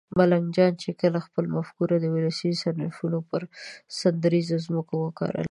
ملنګ جان چې کله خپله مفکوره د ولسي صنفونو پر سندریزه ځمکه وکرله